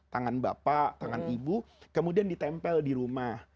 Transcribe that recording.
tangan bapak tangan ibu kemudian ditempel di rumah